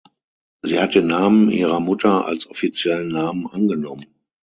Sie hat den Namen ihrer Mutter als offiziellen Namen angenommen.